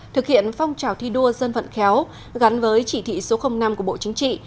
thực hiện phong trào thi đua dân vận khéo gắn với chỉ thị số năm của bộ chính trị